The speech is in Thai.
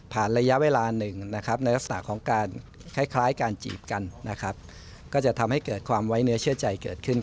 ระยะเวลาหนึ่งนะครับในลักษณะของการคล้ายการจีบกันนะครับก็จะทำให้เกิดความไว้เนื้อเชื่อใจเกิดขึ้น